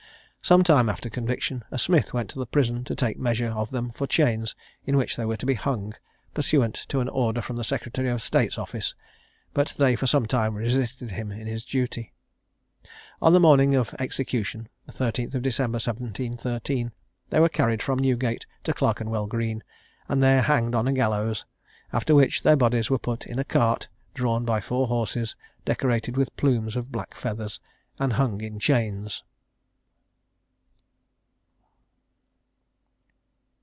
Some time after conviction, a smith went to the prison to take measure of them for chains, in which they were to be hung, pursuant to an order from the secretary of state's office; but they for some time resisted him in this duty. On the morning of execution (the 13th December, 1713), they were carried from Newgate to Clerkenwell Green, and there hanged on a gallows; after which, their bodies were put in a cart, drawn by four horses, decorated with plumes of black feathers, and hung in chains.